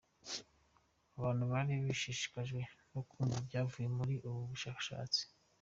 Abantu bari bashishikajwe no kumva ibyavuye muri ubu bushakashatsi.